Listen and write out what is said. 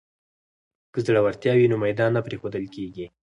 که زړورتیا وي نو میدان نه پریښودل کیږي.